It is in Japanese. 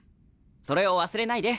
それを忘れないで。